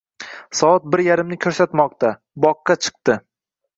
Soat bir yarimni ko'rsatmoqda. Boqqa chikdi.